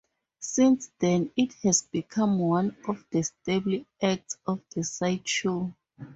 Since then, it has become one of the staple acts of the sideshow.